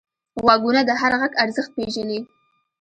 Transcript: غوږونه د هر غږ ارزښت پېژني